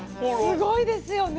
すごいですよね。